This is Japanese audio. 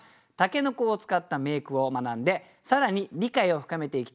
「筍」を使った名句を学んで更に理解を深めていきたいと思います。